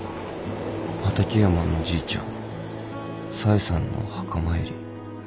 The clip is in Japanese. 畑山のおじいちゃんサエさんの墓参り。